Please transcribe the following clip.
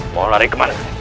mau lari kemana